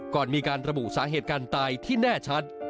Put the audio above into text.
ก่อนมีการระบุสาเหตุการตายที่แน่ชัด